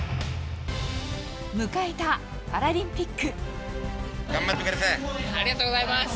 迎えたパラリンピック。